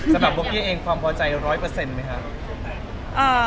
สำหรับบุ๊คเกี่ยวเองความพอใจร้อยเปอร์เซ็นต์ไหมคะ